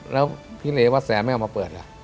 แล้วพี่เลวัดแสนไม่เอามาเปิดล่ะ